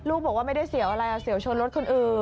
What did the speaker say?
บอกว่าไม่ได้เสียวอะไรเฉียวชนรถคนอื่น